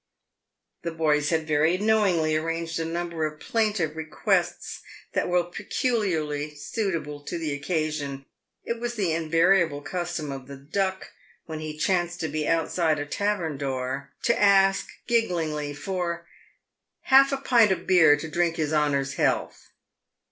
The boys had very knowingly arranged a number of plaintive re quests that were peculiarly suitable to the occasion. It was the in variable custom of the Duck, when he chanced to be outside a tavern door, to ask, gigglingly, for " half a pint o' beer to drink his honour's health."